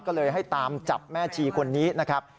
ก็เลยให้ตามจับแม่ชีคนนี้นะครับ